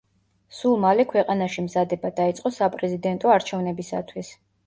სულ მალე ქვეყანაში მზადება დაიწყო საპრეზიდენტო არჩევნებისათვის.